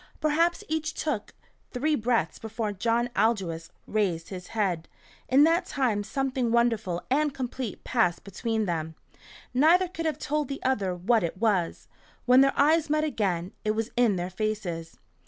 Perhaps each took three breaths before John Aldous raised his head. In that time something wonderful and complete passed between them. Neither could have told the other what it was. When their eyes met again, it was in their faces.